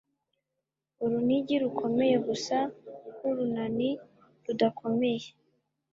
Urunigi rukomeye gusa nkurunani rudakomeye.